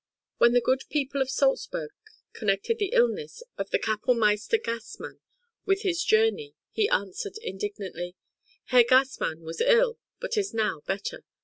When the good people of Salzburg connected the illness of the kapellmeister Gassmann with his journey, he answered indignantly: "Herr Gassmann was ill, but is now better.